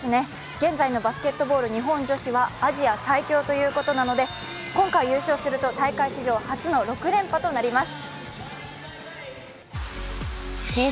現在のバスケットボール日本女子はアジア最強ということなので今回優勝するとこの時間の最新のニュースです。